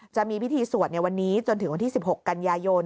จะมีพิธีสวดในวันนี้จนถึงวันที่๑๖กันยายน